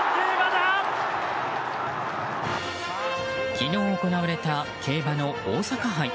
昨日行われた競馬の大阪杯。